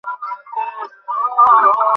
তুমি কিছু আদর চাও, হ্যাঁ।